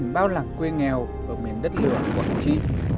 những báo lạc quê nghèo ở miền đất lửa quảng trị